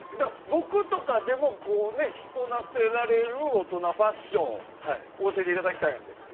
僕とかでも着こなせられる大人ファッションを教えていただきたいんですよ。